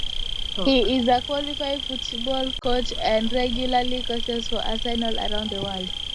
He is a qualified football coach and regularly coaches for Arsenal around the world.